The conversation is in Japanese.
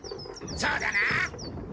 そうだな！